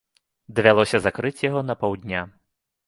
Давялося закрыць яго на паўдня.